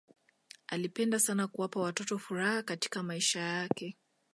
alipenda sana kuwapa watoto furaha katika maisha yake